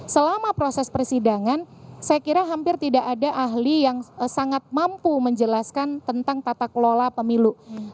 selama proses persidangan saya kira hampir tidak ada ahli yang sangat mampu menjelaskan tentang tata kelola pemilu